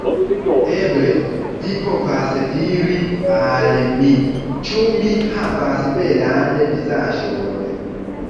Eble vi povas diri al mi: ĉu mi havas belan vizaĝon?